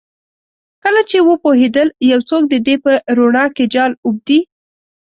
کله چې وپوهیدل یو څوک د دې په روڼا کې جال اوبدي